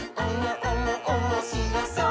おもしろそう！」